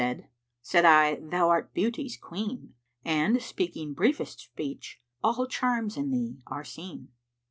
* Said I, 'Thou art Beauty's queen.' And, speaking briefest speech, * 'All charms in thee are seen.'"